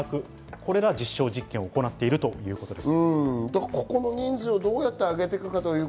これらの実証実験を行っているということです。